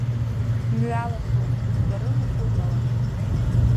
Мҩа лашоуп, узтәарым ухәыҵалан.